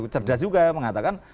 cerdas juga mengatakan